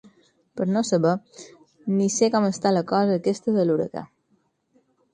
Per no saber, ni sé com està la cosa aquesta de l'huracà.